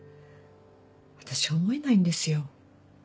私思えないんですよ。